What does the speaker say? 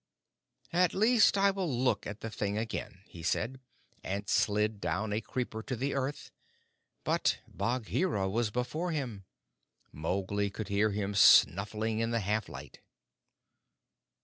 "At least I will look at the thing again," he said, and slid down a creeper to the earth; but Bagheera was before him. Mowgli could hear him snuffing in the half light.